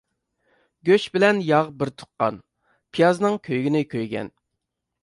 گۆش بىلەن ياغ بىر تۇغقان، پىيازنىڭ كۆيگىنى كۆيگەن.